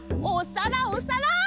おさらおさら！